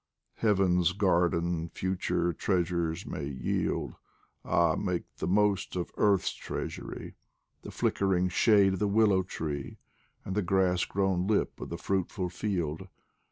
Heaven's garden future treasures may yield Ah, make the most of earth's treasury ! The flickering shade of the willow tree, And the grass grown lip of the fruitful field.